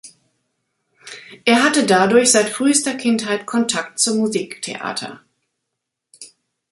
Er hatte dadurch seit frühester Kindheit Kontakt zum Musiktheater.